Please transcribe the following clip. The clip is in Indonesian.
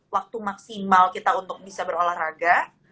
waktu maksimal kita untuk bisa berolahraga